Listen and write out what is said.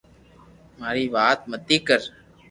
ماري وات متي ڪر